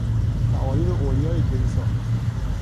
تعالیم اولیای کلیسا